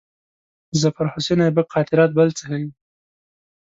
د ظفرحسن آیبک خاطرات بل څه ښيي.